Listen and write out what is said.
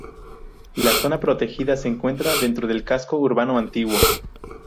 La zona protegida se encuentra dentro del casco urbano antiguo.